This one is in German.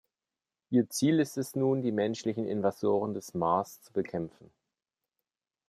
Ihr Ziel ist es nun, die menschlichen Invasoren des Mars zu bekämpfen.